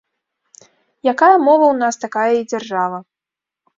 Якая мова ў нас, такая і дзяржава.